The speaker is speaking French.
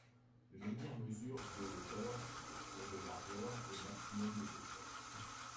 Le menhir mesure de hauteur pour de largeur et maximum d'épaisseur.